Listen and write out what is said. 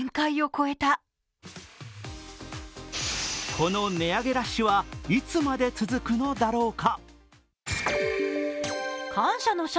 この値上げラッシュはいつまで続くのだろうか。